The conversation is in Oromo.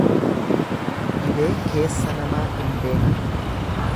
Dhibee keessa namaa hin beekan.